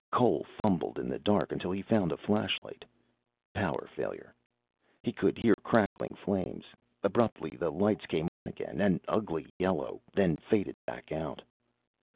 Cole fumbled in the dark until he found a flashlight. Power failure. He could hear crackling flames. Abruptly the lights came on again, an ugly yellow, then faded back out.